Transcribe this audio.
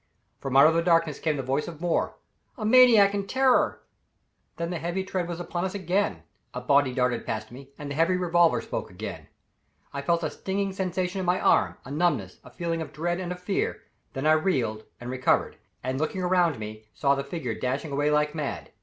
From out of the darkness came the voice of Moore: "A maniac in terror!" Then the heavy tread was upon us again, a body darted past me, and the heavy revolver spoke again. I felt a stinging sensation in my arm, a numbness, a feeling of dread and of fear; then I reeled and recovered, and looking around me saw the figure dashing away like mad.